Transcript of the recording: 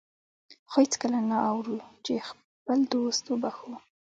خو هېڅکله نه اورو چې خپل دوست وبخښو.